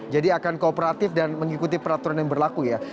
jadi akan kooperatif dan mengikuti peraturan yang berlaku ya